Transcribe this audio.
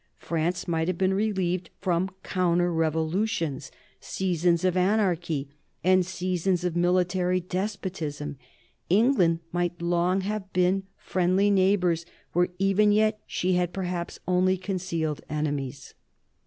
France might have been relieved from counter revolutions, seasons of anarchy, and seasons of military despotism. England might long have had friendly neighbors where even yet she has perhaps only concealed enemies.